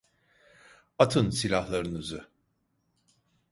Atın silahlarınızı!